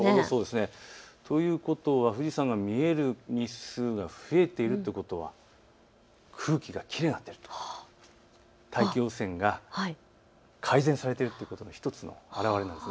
ということは富士山が見える日数が増えているということは空気がきれいになっていると、大気汚染が改善されているということの１つの表れなんです。